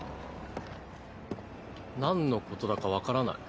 なんのことだか分からない。